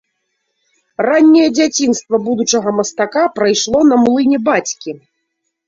Ранняе дзяцінства будучага мастака прайшло на млыне бацькі.